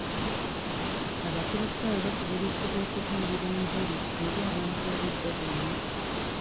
Abakulisitaayo bakubirizibwa okubuulira engiri eri abantu obudde bwonna.